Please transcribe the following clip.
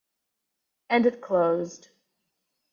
And it closed.